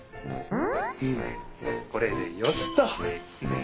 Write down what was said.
これでよしっと！